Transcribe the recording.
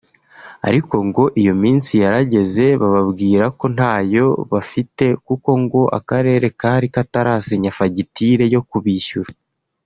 Ariko ngo iyo minsi yarageze bababwira ko ntayo bafite kuko ngo akarere kari katarasinya fagitire yo kubishyura